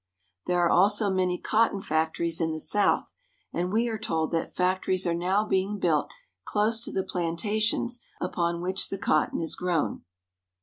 There are also many cotton factories in the South, and we are told that factories are now being built close to the plantations upon which the cotton is grown.